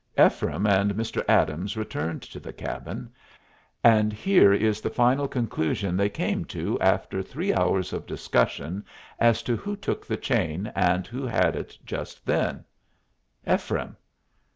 Ephraim and Mr. Adams returned to the cabin; and here is the final conclusion they came to after three hours of discussion as to who took the chain and who had it just then: _Ephraim.